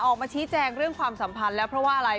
ออกมาชี้แจงเรื่องความสัมพันธ์แล้วเพราะว่าอะไร